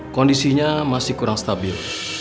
kondisinya masih kurang stabil